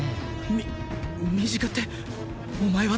み身近ってお前は